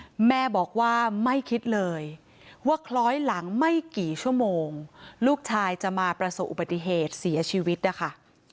แม่บอกว่าไม่คิดเลยว่าคล้อยหลังไม่กี่ชั่วโมงลูกชายจะมาประสบอุบัติเหตุเสียชีวิตนะคะ